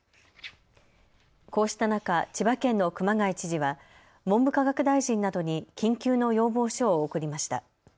こうした中、千葉県の熊谷知事は文部科学大臣などに緊急の要望書を送りました。